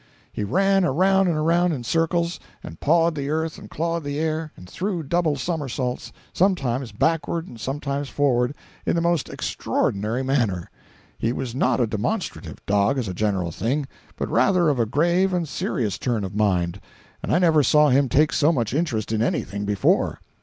He ran round and round in a circle, and pawed the earth and clawed the air, and threw double somersaults, sometimes backward and sometimes forward, in the most extraordinary manner. He was not a demonstrative dog, as a general thing, but rather of a grave and serious turn of mind, and I never saw him take so much interest in anything before.